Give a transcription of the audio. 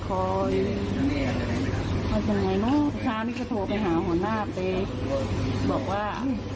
ก็ทำไงและตอนนี้ก็โทรไปหาหัวหน้าไปบอกว่า